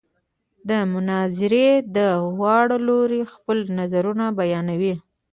د مناظرې دواړه لوري خپل نظرونه بیانوي.